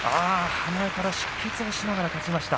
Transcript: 鼻から出血をしながら勝ちました。